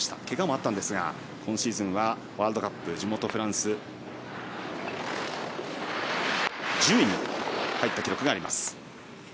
けがもあったんですが今シーズンはワールドカップ地元フランスで１０位に入った記録があります。